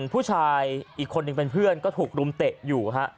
ผู้ชายอีกคนหนึ่งเป็นเพื่อนก็ถูกรุมเตะอยู่ฮะ